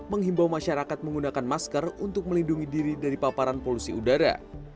menghimbau masyarakat menggunakan masker untuk melindungi diri dari paparan polusi udara